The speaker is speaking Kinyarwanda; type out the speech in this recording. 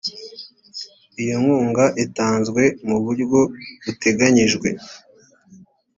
iyo nkunga itanzwe mu buryo buteganyijwe